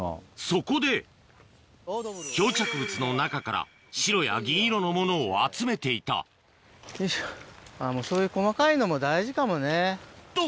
そこで漂着物の中から白や銀色のものを集めていたよいしょそういう細かいのも大事かもね。と！